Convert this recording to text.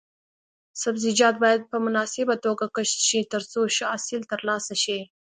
سبزیجات باید په مناسبه توګه کښت شي ترڅو ښه حاصل ترلاسه شي.